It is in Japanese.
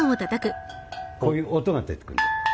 こういう音が出てくる。